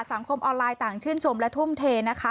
สังคมออนไลน์ต่างชื่นชมและทุ่มเทนะคะ